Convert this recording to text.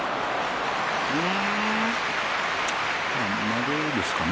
まげですかね。